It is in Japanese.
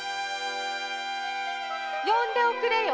呼んでおくれよ